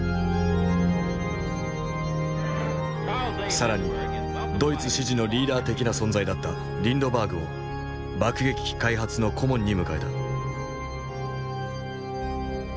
更にドイツ支持のリーダー的な存在だったリンドバーグを爆撃機開発の顧問に迎えた。